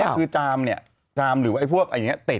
ตอนนี้คือจามจามหรือไอ้พวกอันนี้ติด